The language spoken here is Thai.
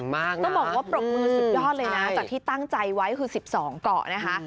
ต้องบอกว่าปรบมือสุดยอดเลยนะจากที่ตั้งใจไว้คือ๑๒เกาะนะคะ